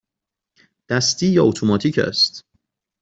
دستی یا اتوماتیک است؟